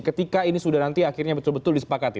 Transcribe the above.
ketika ini sudah nanti akhirnya betul betul disepakati